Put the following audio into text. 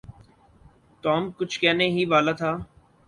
Tom کچھ کہنے ہی والا تھا۔